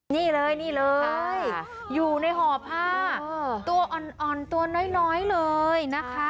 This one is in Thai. นี่เลยนี่เลยอยู่ในห่อผ้าตัวอ่อนตัวน้อยเลยนะคะ